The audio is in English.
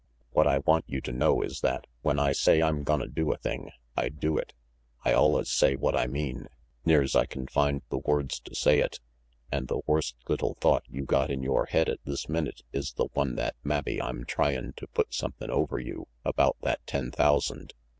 What I want you to know is that when I say I'm gonna do a thing, I do it. I allus say what I mean, near's I can find the words to say it; an' the worst little thought you got in yore head at this minute is the one that mabbe I'm tryin' to put somethin' over you about that ten thousand.